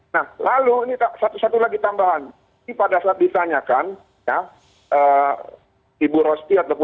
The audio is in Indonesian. nah lalu ini satu satu lagi tambahan ini pada saat ditanyakan ibu rosti ataupun ambu rusaya ini ditanya mengenai kronologis komunikasi segala macam